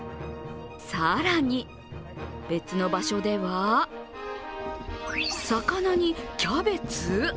更に別の場所では、魚にキャベツ？